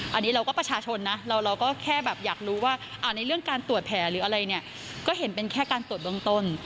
อันนี้เราก็ประชาชนนะเราก็แค่แบบอยากรู้ว่าในเรื่องการตรวจแผลหรืออะไรเนี่ยก็เห็นเป็นแค่การตรวจเบื้องต้น